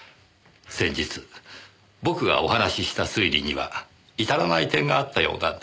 先日僕がお話しした推理には至らない点があったようなんです。